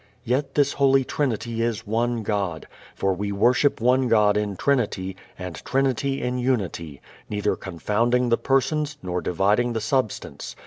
Yet this holy Trinity is One God, for "we worship one God in Trinity, and Trinity in Unity; neither confounding the Persons, nor dividing the Substance.